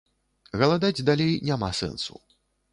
Галадаць далей няма сэнсу.